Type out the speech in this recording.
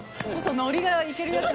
ノリがいけるやつ。